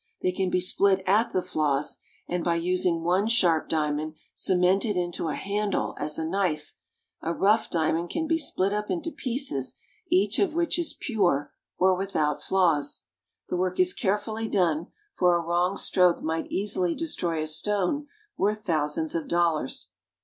They can be split at the flaws ; and, by using one sharp diamond, cemented into a handle, as a knife, a rough diamond can be split up into pieces each of which is pure or without flaws. The work is carefully done, for a wrong stroke might easily destroy a stone worth thousands of dollars.